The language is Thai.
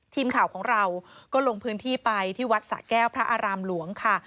ทีมข่าวของเราก็ลงพื้นที่ไปที่วัดสะแก้วพระอารามหลวงค่ะ